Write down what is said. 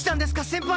先輩。